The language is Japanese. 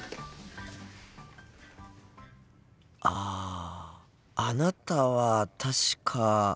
ああなたは確か。